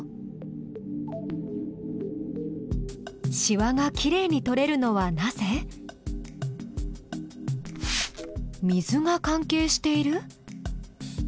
しわがきれいに取れるのはなぜ？水が関係している？